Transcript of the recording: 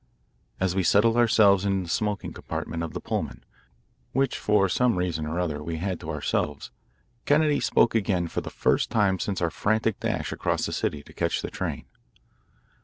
As we settled ourselves in the smoking compartment of the Pullman, which for some reason or other we had to ourselves, Kennedy spoke again for the first time since our frantic dash across the city to catch the train.